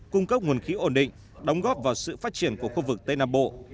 cung cấp nguồn khí ổn định đóng góp vào sự phát triển của khu vực tây nam bộ